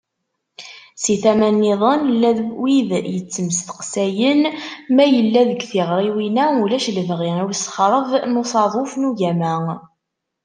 Si tama-nniḍen, llan wid yettmesteqsayen ma yella deg tiɣriwin-a ulac lebɣi i usexreb n usaḍuf n ugama.